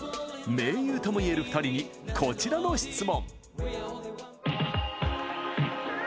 盟友ともいえる２人にこちらの質問！